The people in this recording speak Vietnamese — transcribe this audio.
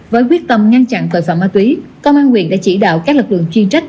với quyết tâm ngăn chặn tội phạm ma túy công an huyện đã chỉ đạo các lực lượng chuyên trách